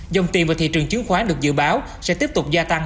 dòng tiền vào thị trường chứng khoán được dự báo sẽ tiếp tục gia tăng